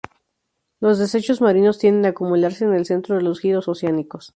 Los desechos marinos tienden a acumularse en el centro de los giros oceánicos.